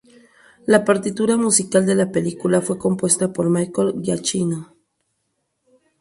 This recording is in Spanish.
La partitura musical de la película fue compuesta por Michael Giacchino.